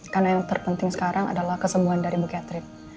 karena yang terpenting sekarang adalah kesembuhan dari bu catherine